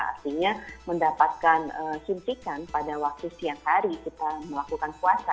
artinya mendapatkan suntikan pada waktu siang hari kita melakukan puasa